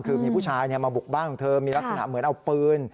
คือมีผู้ชายมาบุกบ้านของเธอมีลักษณะเหมือนเอาปืน